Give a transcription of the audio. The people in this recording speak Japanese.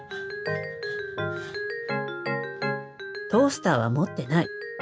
トースターは持ってない。